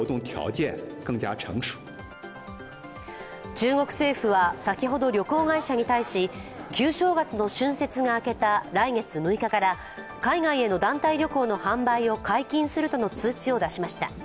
中国政府は先ほど、旅行会社に対し旧正月の春節が明けた来月６日から、海外への団体旅行の販売を解禁するとの通知を出しました。